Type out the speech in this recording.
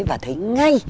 và thấy ngay